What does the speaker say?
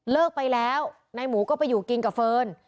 ไปแล้วนายหมูก็ไปอยู่กินกับเฟิร์น